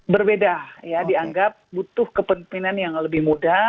berbeda ya dianggap butuh kepemimpinan yang lebih muda